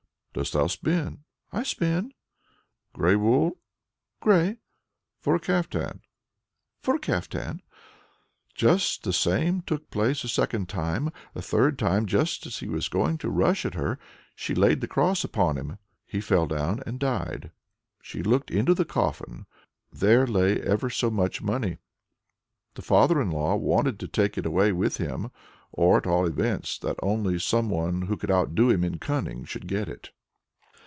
"Dost thou spin?" "I spin." "Grey wool?" "Grey." "For a caftan?" "For a caftan." Just the same took place a second time. The third time, just as he was going to rush at her, she laid the cross upon him. He fell down and died. She looked into the coffin; there lay ever so much money. The father in law wanted to take it away with him, or, at all events, that only some one who could outdo him in cunning should get it.